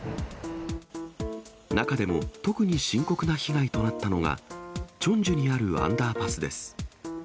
中でも特に深刻な被害となったのが、チョンジュにあるアンダーパスです。